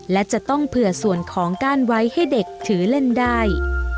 และจะต้องเผื่อส่วนของก้านไว้ให้เด็กถือเล่นได้